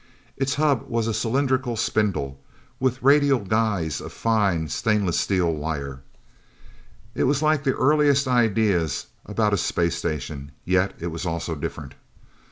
Its hub was a cylindrical spindle, with radial guys of fine, stainless steel wire. It was like the earliest ideas about a space station, yet it was also different.